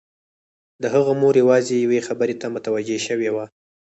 د هغه مور یوازې یوې خبرې ته متوجه شوې وه